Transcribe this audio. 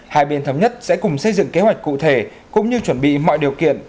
hai bên thống nhất sẽ cùng xây dựng kế hoạch cụ thể cũng như chuẩn bị mọi điều kiện